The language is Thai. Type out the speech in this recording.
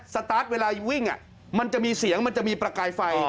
สตาร์ทเวลาวิ่งมันจะมีเสียงมันจะมีประกายไฟ